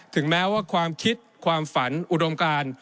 ถึงแม้ว่าความคิดความฝันอุดมการ